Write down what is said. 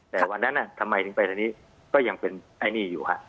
แต่วันนั้นทำไมถึงไปตอนนี้ก็ยังเป็นไอ้นี่อยู่ฮะ